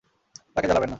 তাকে জ্বালাবেন না।